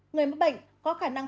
người mất bệnh có khả năng